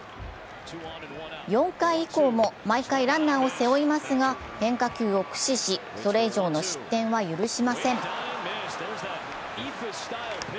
４回以降も毎回ランナーを背負いますが変化球を駆使し、それ以上の失点は許しません。